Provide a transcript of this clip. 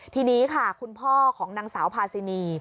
ทีนี้ค่ะคุณพ่อของนางสาวพาซินี